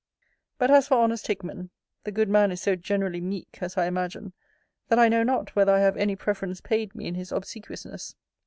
But as for honest Hickman, the good man is so generally meek, as I imagine, that I know not whether I have any preference paid me in his obsequiousness.